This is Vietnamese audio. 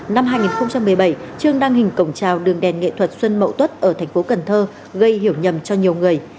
năm hai nghìn một mươi bảy trương đăng hình cổng trào đường đèn nghệ thuật xuân mậu tuất ở thành phố cần thơ gây hiểu nhầm cho nhiều người